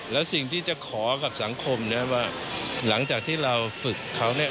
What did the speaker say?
แล้วสิ่งที่จะขอกับสังคมนะครับว่าหลังจากที่เราฝึกเขาเนี่ย